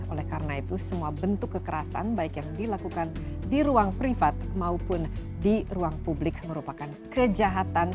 oleh karena itu semua bentuk kekerasan baik yang dilakukan di ruang privat maupun di ruang publik merupakan kejahatan